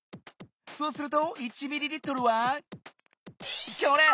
そうすると１ｍＬはこれ！